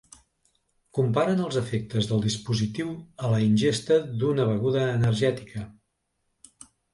Comparen els efectes del dispositiu a la ingesta d’una beguda energètica.